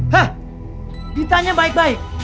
hah ditanya baik baik